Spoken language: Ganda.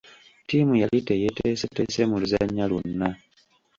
Ttiimu yali teyeteeseteese mu luzannya lwonna.